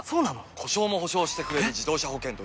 故障も補償してくれる自動車保険といえば？